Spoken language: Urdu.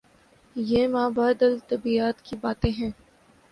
یہ مابعد الطبیعیات کی باتیں ہیں۔